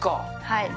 はい。